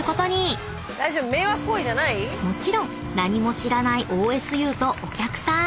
［もちろん何も知らないＯＳ☆Ｕとお客さん］